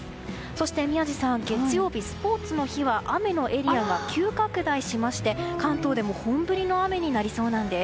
そして宮司さん、月曜日スポーツの日は雨のエリアが急拡大しまして関東でも本降りの雨になりそうなんです。